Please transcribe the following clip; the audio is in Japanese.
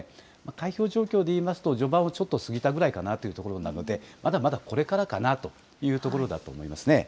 開票状況でいいますと、序盤をちょっと過ぎたぐらいかなというところになるので、まだまだこれからかなというところだと思いますね。